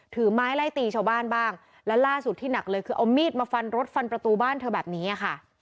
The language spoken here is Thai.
ถือไม้ไล่ตีชาวบ้านบ้างและล่าสุดที่หนักเลยคือเอามีดมาฟันรถฟันประตูบ้านเธอแบบนี้ค่ะ